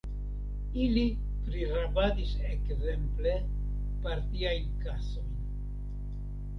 Ili prirabadis, ekzemple, partiajn kasojn.